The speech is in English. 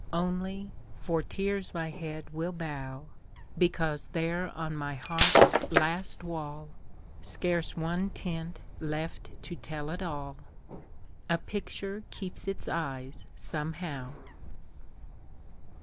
Only, for tears my head will bow, Because there on my heart's last wall, Scarce one tint left to tell it all, A picture keeps its eyes, somehow.